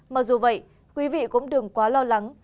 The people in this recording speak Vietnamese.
mặc dù vậy quý vị cũng đừng quá lo lắng